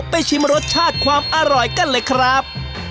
ชิมรสชาติความอร่อยกันเลยครับ